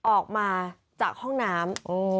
ออกมาจากห้องน้ำ